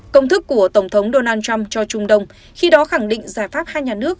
công thức của tổng thống donald trump cho trung đông khi đó khẳng định giải pháp hai nhà nước